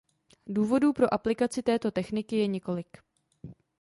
Důvodů pro aplikaci této techniky je několik.